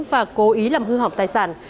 và cố ý làm hư hỏng tài sản